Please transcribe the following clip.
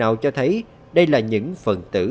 nào cho thấy đây là những phần tử